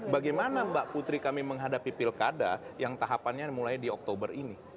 bagaimana mbak putri kami menghadapi pilkada yang tahapannya mulai di oktober ini